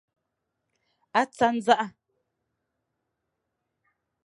A tsa ndzaʼa.